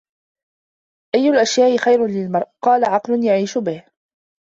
أَيُّ الْأَشْيَاءِ خَيْرٌ لِلْمَرْءِ ؟ قَالَ عَقْلٌ يَعِيشُ بِهِ